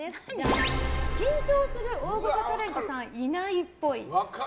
緊張する大御所タレントさんいないっぽい。